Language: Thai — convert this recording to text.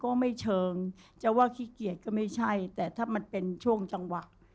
ก็ไม่เชิงจะว่าขี้เกียจก็ไม่ใช่แต่ถ้ามันเป็นช่วงจังหวะ